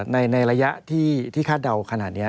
ในระยะที่คาดเดาขนาดนี้